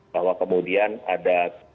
kalau kemudian ada